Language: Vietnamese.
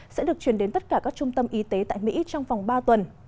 sẽ được chuyển đến tất cả các trung tâm y tế tại mỹ trong vòng ba tuần